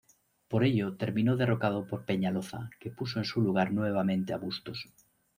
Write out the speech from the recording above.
Por ello terminó derrocado por Peñaloza, que puso en su lugar nuevamente a Bustos.